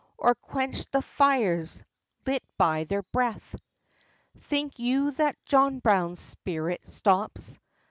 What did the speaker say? Or quenched the fires lit by their breath? Think you that John Brown's spirit stops?